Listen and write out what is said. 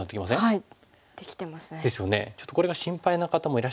はい。